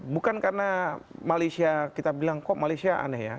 bukan karena malaysia kita bilang kok malaysia aneh ya